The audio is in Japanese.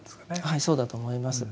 はいそうだと思います。